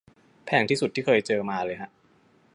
แพงที่สุดที่เคยเจอมาเลยฮะ